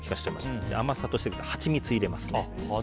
あと甘さとしてハチミツを入れます。